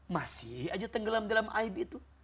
masih aja tenggelam dalam aib itu